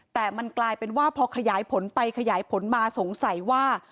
แต่มันกลายเป็นว่าพอขยายผลไปขยายผลมาสงสัยว่า